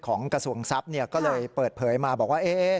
กระทรวงทรัพย์ก็เลยเปิดเผยมาบอกว่า